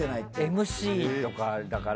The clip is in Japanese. ＭＣとかだから。